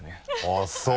あっそう。